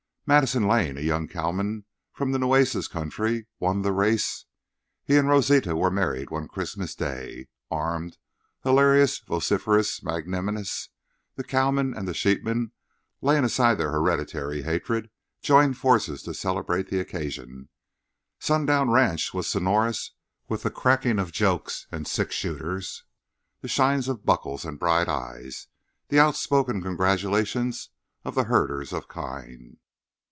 Madison Lane, a young cattleman from the Nueces country, won the race. He and Rosita were married one Christmas day. Armed, hilarious, vociferous, magnanimous, the cowmen and the sheepmen, laying aside their hereditary hatred, joined forces to celebrate the occasion. Sundown Ranch was sonorous with the cracking of jokes and sixshooters, the shine of buckles and bright eyes, the outspoken congratulations of the herders of kine.